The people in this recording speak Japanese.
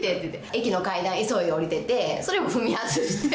駅の階段急いで下りていてそれも踏み外してもう。